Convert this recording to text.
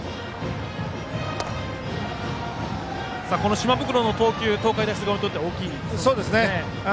島袋の投球、東海大菅生にとって大きいでしょうね。